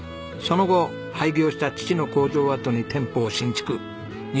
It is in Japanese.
その後廃業した父の工場跡に店舗を新築。